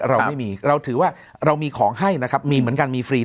เราไม่มีเราถือว่าเรามีของให้นะครับมีเหมือนกันมีฟรี